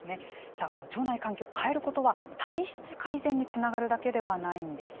さあ、腸内環境を変えることは体質改善につながるだけではないんです。